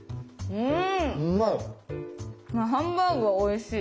うん！